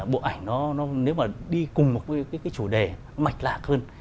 bộ ảnh nó nếu mà đi cùng một cái chủ đề mạch lạc hơn